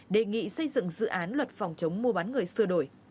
đề nghị xây dựng dự án luật phòng chống mua bán người sơ đổi